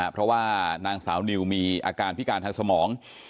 เพราะว่านางสาวนิวมีอาการพิการทางสมอง